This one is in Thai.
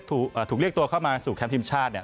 ถูกเรียกตัวเข้ามาสู่แคมป์ทีมชาติเนี่ย